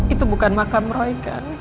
itu bukan makam roy kan